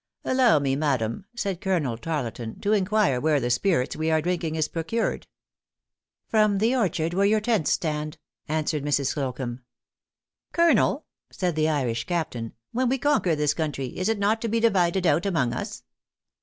"Allow me, madam," said Colonel Tarleton, "to inquire where the spirits we are drinking is procured." "From the orchard where your tents stand," answered Mrs. Slocumb. "Colonel," said the Irish captain, "when we conquer this country, is it not to be divided out among us?"